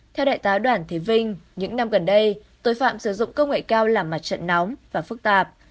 theo đại tá đoàn thế vinh những năm gần đây tội phạm sử dụng công nghệ cao là mặt trận nóng và phức tạp